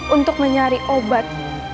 untuk mencari obat